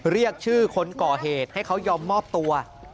เรียกชื่อคนก่อเหตุให้เขายอมมอบตัว